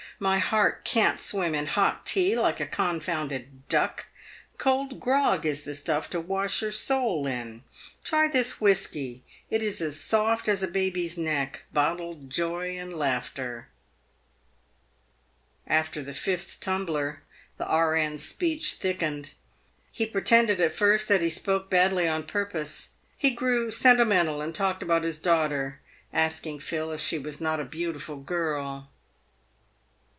My heart can't swim in hot tea like a confounded duck. Cold grog is the stuif to wash your soul in. Try this whisky ; it is as soft as a baby's neck ; bottled joy and laughter !" After the fifth tumbler, the B.N.'s speech thickened. He pre tended at first that he spoke badly on purpose. He grew senti mental, and talked about his daughter, asking Phil if she was not a beautiful girl.